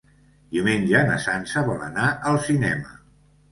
Diumenge na Sança vol anar al cinema.